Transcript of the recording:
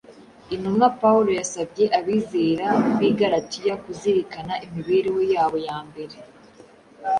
Intumwa Pawulo yasabye abizera b’i Galatiya kuzirikana imibereho yabo ya mbere